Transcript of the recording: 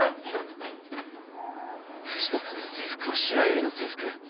藤田さんの制服は白百合の制服。